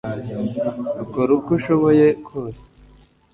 ukora uko ushoboye kose